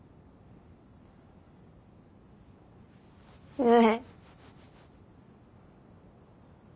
ねえ。